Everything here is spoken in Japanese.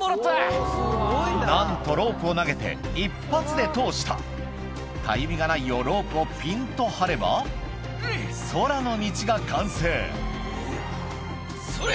なんとロープを投げて一発で通したたゆみがないようロープをピンと張れば空の道が完成それ！